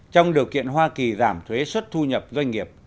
trong điều kiện hoa kỳ giảm thuế xuất thu nhập doanh nghiệp